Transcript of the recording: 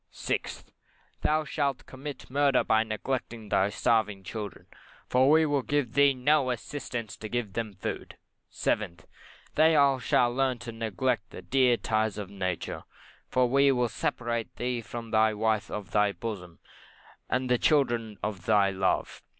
6th, Thou shalt commit murder by neglecting thy starving children, for we will give thee no assistance to get them food. 7th, Thou shalt learn to neglect the dear ties of nature, for we will separate thee from the wife of thy bosom, and the children of thy love.